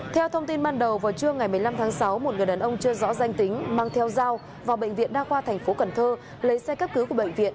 theo thông tin ban đầu vào trưa ngày một mươi năm tháng sáu một người đàn ông chưa rõ danh tính mang theo dao vào bệnh viện đa khoa thành phố cần thơ lấy xe cấp cứu của bệnh viện